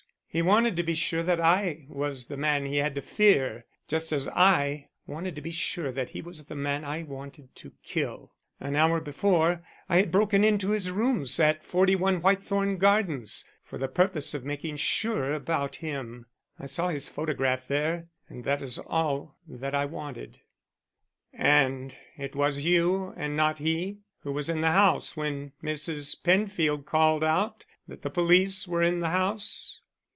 "He wanted to be sure that I was the man he had to fear just as I wanted to be sure that he was the man I wanted to kill. An hour before I had broken into his rooms at 41 Whitethorn Gardens, for the purpose of making sure about him. I saw his photograph there, and that is all I wanted." "And it was you and not he who was in the house when Mrs. Penfield called out that the police were in the house?"